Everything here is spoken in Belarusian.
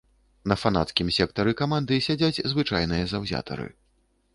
На фанацкім сектары каманды сядзяць звычайныя заўзятары.